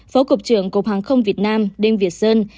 phó cục trưởng cục hàng không việt nam đêm việt sơn